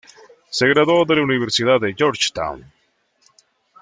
Se graduó de la Universidad de Georgetown.